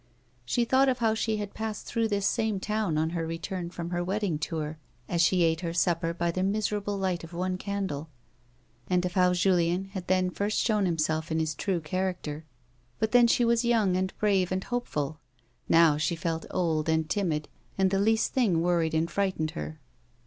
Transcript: She thought of how she had passed through this same town on her I'eturn from her wedding tour, as she ate her supper by the miserable light of one candle, and of how Julien had then first shown him self in his true character. But then she was young and brave and hopeful ; now she felt old and timid ; and the least thing worried and frightened her.